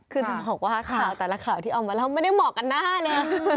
คือจะบอกว่าข่าวแต่ละข่าวที่ออกมาแล้วไม่ได้เหมาะกันหน้าเลย